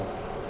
cái chuyện này